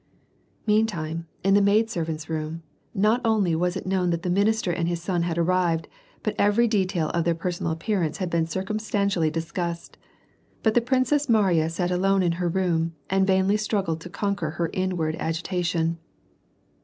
Meantime, in the maidservant's room, not only was it known that the minister and his son had arrived, but every detail of their personal appearance had been circumstantially discussed. But the princess Mariya sat alone in her room, and vainly struggled to conquer her inward agitation.